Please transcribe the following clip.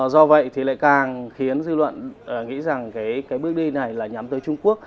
do vậy thì lại càng khiến dư luận nghĩ rằng cái bước đi này là nhắm tới trung quốc